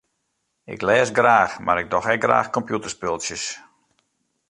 Ik lês graach mar ik doch ek graach kompjûterspultsjes.